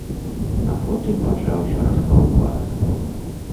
А потым пачаўся раскаўбас!